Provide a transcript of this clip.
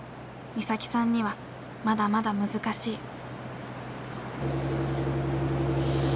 岬さんにはまだまだ難しい。